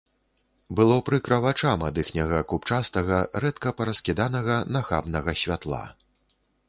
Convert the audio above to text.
Было прыкра вачам ад іхняга купчастага, рэдка параскіданага, нахабнага святла.